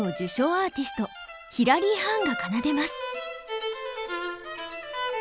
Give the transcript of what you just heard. アーティストヒラリー・ハーンが奏でます。